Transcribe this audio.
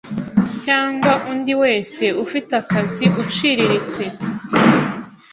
cyangwa undi wese ufite akazi uciriritse